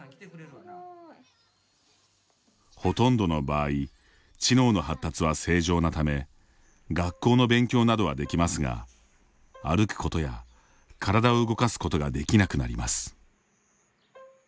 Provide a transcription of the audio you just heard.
ほとんどの場合知能の発達は正常なため学校の勉強などはできますが歩くことや体を動かすことができなくなります。